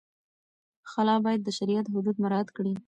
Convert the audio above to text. خلع باید د شریعت حدود مراعت کړي.